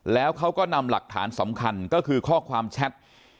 แล้วเขาก็นำหลักฐานสำคัญก็คือข้อความแชท